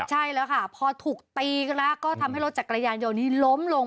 ใช่แล้วค่ะพอถูกตีกันแล้วก็ทำให้รถจักรยานยนต์นี้ล้มลง